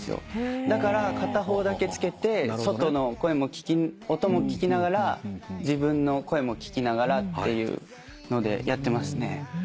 だから片方だけ付けて外の音も聞きながら自分の声も聞きながらっていうのでやってますね。